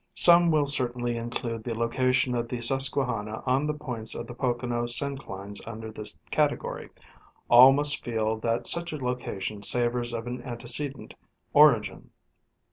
Some will certainly include the location of the Susquehanna on the points of the Pocono synclines under this categoiy ; all must feel that such a location savors of an antecedent origin.